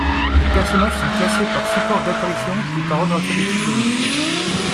Les personnages sont classés par supports d'apparition puis par ordre alphabétique de noms.